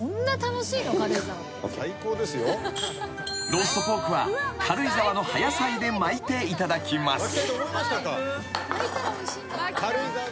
［ローストポークは軽井沢の葉野菜で巻いていただきます］